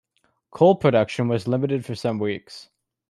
Coal production was limited for some weeks.